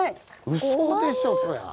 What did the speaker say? うそでしょそれは。